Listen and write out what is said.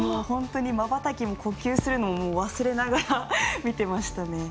本当に瞬きも呼吸するのも忘れながら見ていましたね。